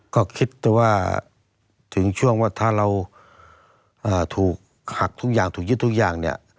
ก็คิดแต่ว่าถึงช่วงว่าถ้าเราถูกหักทุกอย่างถูกยึดทุกอย่างเนี่ย